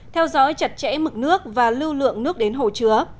theo dõi chặt chẽ mực nước và lưu lượng nước đến hồ chứa